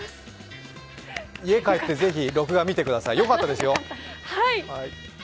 家帰ってぜひ録画見てください、良かったですよ。